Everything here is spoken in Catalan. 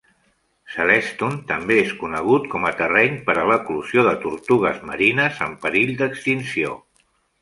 Celestun també és conegut com a terreny per a l'eclosió de tortugues marines en perill d'extinció.